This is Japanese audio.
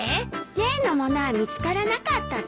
例のものは見つからなかったって。